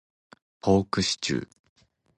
ポークシチュー